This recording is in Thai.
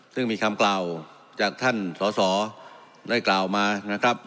ซึ่งมีคำกล่าวจากท่านสอสอได้กล่าวมานะครับ